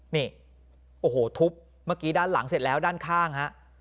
นี่โอ้โหทุบเมื่อกี้ด้านหลังเสร็จแล้วด้านข้างฮะ